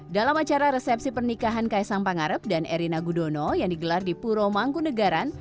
dalam acara resepsi pernikahan kaisang pangarep dan erina gudono yang digelar di puro mangkunagaran